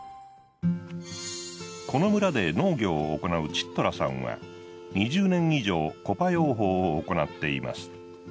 この村で農業を行うチットラさんは２０年以上コパ養蜂を行っています。